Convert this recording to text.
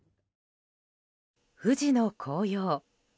富士の紅葉。